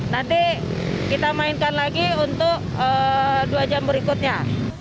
nanti kita mainkan lagi untuk dua jam berikutnya